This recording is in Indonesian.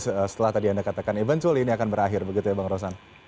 setelah tadi anda katakan even toel ini akan berakhir begitu ya bang rosan